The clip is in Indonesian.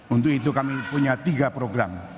untuk itu kami punya tiga program